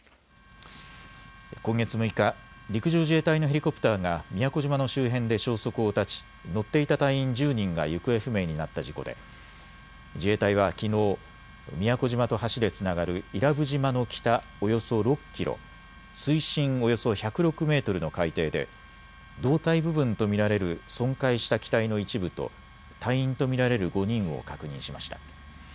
今月６日、陸上自衛隊のヘリコプターが宮古島の周辺で消息を絶ち乗っていた隊員１０人が行方不明になった事故で自衛隊はきのう宮古島と橋でつながる伊良部島の北およそ６キロ、水深およそ１０６メートルの海底で胴体部分と見られる損壊した機体の一部と隊員と見られる５人を確認しました。